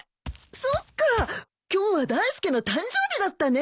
そっか今日はダイスケの誕生日だったね！